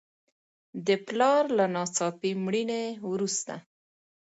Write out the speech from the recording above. د پلار له ناڅاپي مړینې وروسته.